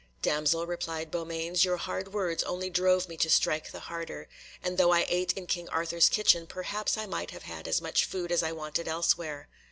"Damsel," replied Beaumains, "your hard words only drove me to strike the harder, and though I ate in King Arthur's kitchen, perhaps I might have had as much food as I wanted elsewhere.